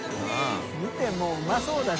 見てもううまそうだし。